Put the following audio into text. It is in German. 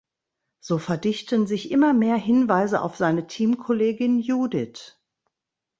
So verdichten sich immer mehr Hinweise auf seine Teamkollegin Judith.